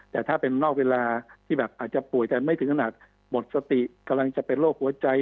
แต่ถ้าเป็นนอกเวลาที่แบบอาจจะป่วยแต่ไม่ถึงขนาดหมดสติกำลังจะเป็นโรคหัวใจ